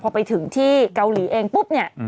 พอไปถึงที่เกาหลีเองปุ๊บเนี่ย